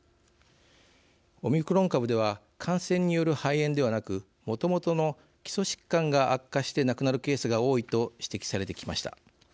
オミクロン株では、感染による肺炎ではなくもともとの基礎疾患が悪化して亡くなるケースが多いと指摘されてきました。